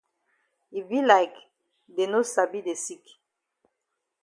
E be like dey no sabi de sick.